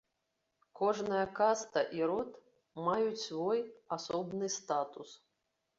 Кожная каста і род маюць свой асобны статус.